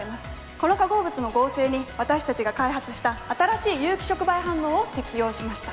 この化合物の合成に私たちが開発した新しい有機触媒反応を適用しました。